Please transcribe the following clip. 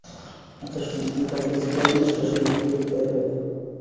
আচ্ছা শোন, তুই তাকে রিসিভ করার জন্য স্টিশনের যাওয়ার জন্য বের হয়ে যা।